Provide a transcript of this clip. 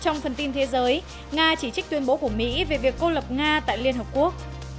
trong phần tin thế giới nga chỉ trích tuyên bố của mỹ về việc cô lập nga tại liên hợp quốc